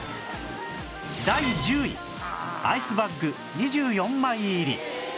第１０位アイスバッグ２４枚入り